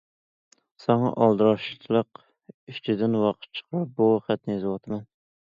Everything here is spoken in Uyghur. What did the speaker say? ساڭا ئالدىراشلىق ئىچىدىن ۋاقىت چىقىرىپ، بۇ خەتنى يېزىۋاتىمەن.